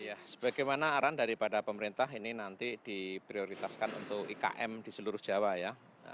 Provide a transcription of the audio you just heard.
ya sebagaimana arahan daripada pemerintah ini nanti diprioritaskan untuk ikm di seluruh jawa ya